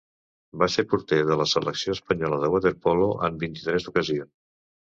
Va ser porter de la selecció espanyola de waterpolo en vint-i-tres ocasions.